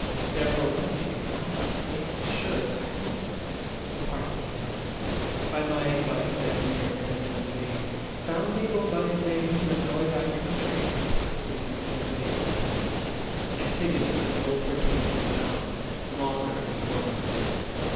Therefore one of these Thou must make sure thy own: the Parthian first, By my advice, as nearer, and of late Found able by invasion to annoy Thy country, and captive lead away her kings, Antigonus and old Hyrcanus, bound, Maugre the Roman.